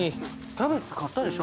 キャベツ買ったでしょ